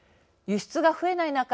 輸出が増えない中